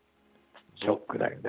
ショックだよね。